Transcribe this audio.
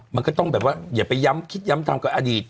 มันก็ต้องอย่าไปคิดย้ำตามกับอดีต